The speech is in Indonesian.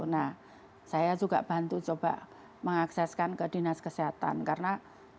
nah saya juga bantu coba mengakseskan ke dinas kesehatan karena